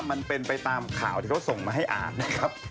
มันเป็นไปตามข่าวที่เขาส่งมาให้อ่านนะครับ